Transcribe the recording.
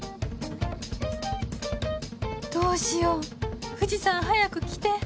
どうしよう藤さん早く来て